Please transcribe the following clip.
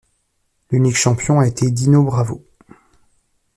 L'unique champion a été Dino Bravo.